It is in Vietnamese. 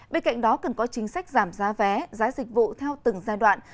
bên cạnh đó cần có chính sách giảm giá vé giá dịch vụ theo từng giai đoạn